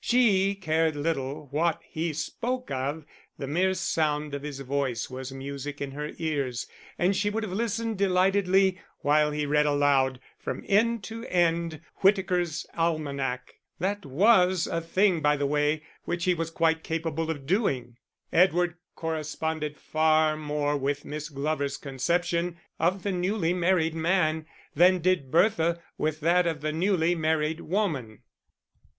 She cared little what he spoke of, the mere sound of his voice was music in her ears, and she would have listened delightedly while he read aloud from end to end Whitaker's Almanack: that was a thing, by the way, which he was quite capable of doing. Edward corresponded far more with Miss Glover's conception of the newly married man than did Bertha with that of the newly married woman.